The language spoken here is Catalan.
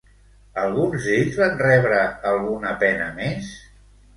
Alguns d'ells van rebre alguna pena més?